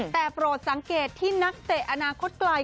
แต่โปรดสังเกตที่นักเตะอนาคตไกล